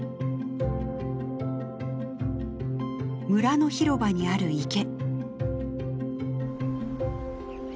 村の広場にある池。